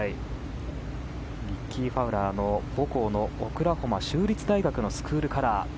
リッキー・ファウラーの母校のオクラホマ州立大学のスクールカラー。